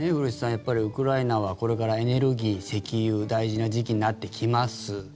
やっぱりウクライナはこれからエネルギー、石油大事な時期になってきます。